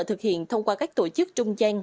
thực hiện thông qua các tổ chức trung gian